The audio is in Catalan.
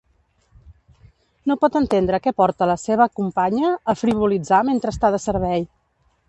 No pot entendre què porta la seva companya a frivolitzar mentre està de servei.